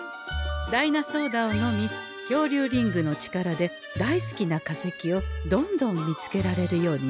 ダイナソーダを飲みきょうりゅうリングの力で大好きな化石をどんどん見つけられるようになったものの